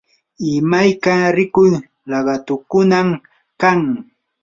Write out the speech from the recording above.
imayka rikuq laqatukunam kan.